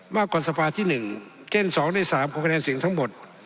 มากกว่าสภาที่๑เช่น๒ใน๓ของคะแนนเสียงทั้งหมด